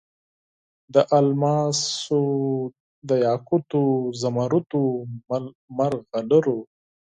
د الماسو، دیاقوتو، زمرودو، مرغلرو